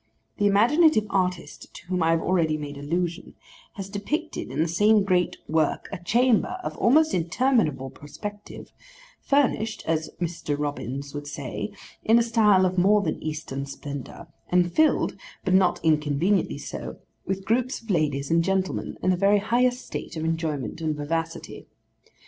The imaginative artist to whom I have already made allusion, has depicted in the same great work, a chamber of almost interminable perspective, furnished, as Mr. Robins would say, in a style of more than Eastern splendour, and filled (but not inconveniently so) with groups of ladies and gentlemen, in the very highest state of enjoyment and vivacity.